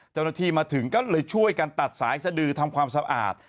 เจ้าหน้าที่มาถึงก็เลยช่วยกันตัดสายสดือทำความสะอาด